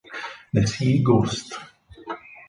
The Sea Ghost